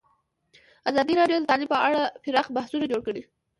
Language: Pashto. ازادي راډیو د تعلیم په اړه پراخ بحثونه جوړ کړي.